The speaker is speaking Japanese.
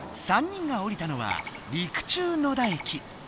３人がおりたのは陸中野田駅。